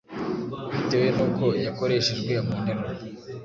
bitewe n’uko yakoreshejwe mu nteruro.